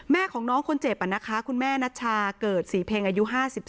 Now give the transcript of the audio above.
แม่ของน้องคนเจ็บนะคะคุณแม่นัชชาเกิดศรีเพ็งอายุ๕๒